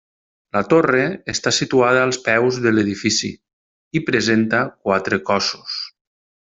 La torre està situada als peus de l'edifici, i presenta quatre cossos.